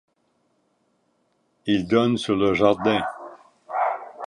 Ils donnent sur le jardin.